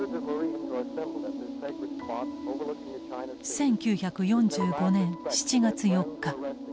１９４５年７月４日。